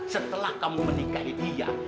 setelah kamu menikahi dia